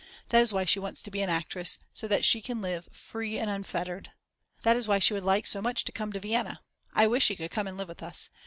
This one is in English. That is why she wants to be an actress and so that she can live free and unfettered. That is why she would like so much to come to Vienna. I wish she could come and live with us.